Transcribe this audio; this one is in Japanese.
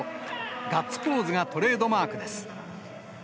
ガッツポーズがトレードマークです。